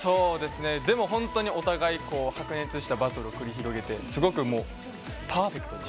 でも、本当にお互い白熱したバトルを繰り広げてすごくパーフェクトでした。